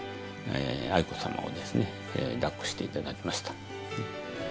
愛子さまをですね抱っこしていただきました。